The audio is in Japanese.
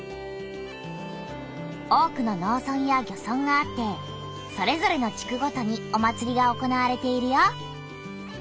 多くの農村や漁村があってそれぞれの地区ごとにお祭りが行われているよ。